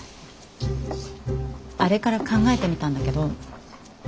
あれから考えてみたんだけど。